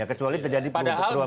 kecuali terjadi perubahan perubahan